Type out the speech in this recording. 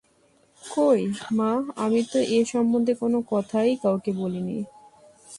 কই, মা, আমি তো এ সম্বন্ধে কোনো কথাই কাউকে বলি নি!